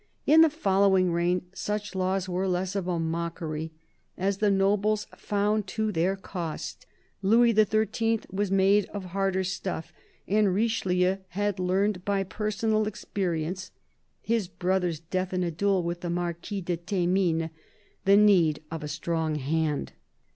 In the following reign such laws were less of a mockery, as the nobles found to their cost. Louis XIII. was made of harder stuff; and Richelieu had learnt by personal experience — his brother's death in a duel with the Marquis de Thymines — the need of a strong hand.